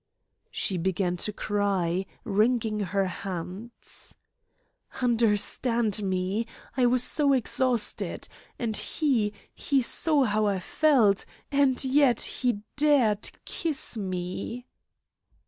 She began to cry, wringing her hands. "Understand me. I was so exhausted. And he he saw how I felt and yet he dared kiss me."